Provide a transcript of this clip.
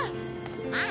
ああ！